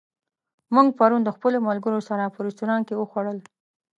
موږ پرون د خپلو ملګرو سره په رستورانت کې وخوړل.